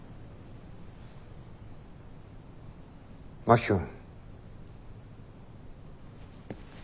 真木君。